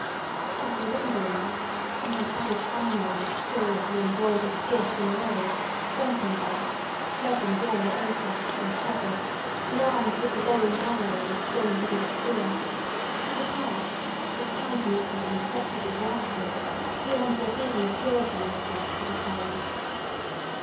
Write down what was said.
A party of Indians—in their savage finery of curiously embroidered deerskin robes, wampum belts, red and yellow ochre, and feathers, and armed with the bow and arrow and stone headed spear—stood apart with countenances of inflexible gravity, beyond what even the Puritan aspect could attain.